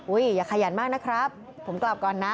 อย่าขยันมากนะครับผมกลับก่อนนะ